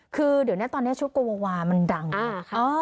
คือเดี๋ยวเนี้ยตอนเนี้ยชุดโกวาวามันดังอ่าอ้อ